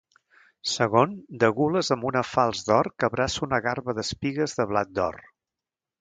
Segon, de gules amb una falç d'or que abraça una garba d'espigues de blat d'or.